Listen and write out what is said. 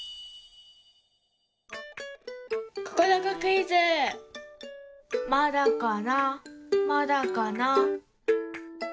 ここどこクイズまだかなまだかな。